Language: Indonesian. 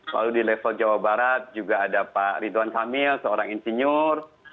lalu di level jawa barat juga ada pak ridwan kamil seorang insinyur